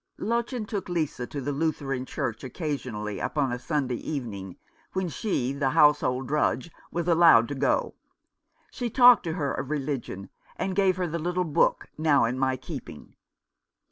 Lottchen took Lisa to the Lutheran church 263 Rough Justice. occasionally upon a Sunday evening, when she, the household drudge, was allowed to go. She talked to her of religion, and gave her the little book now in my keeping.